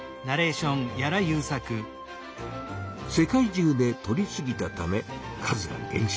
世界中でとりすぎたため数がげん少。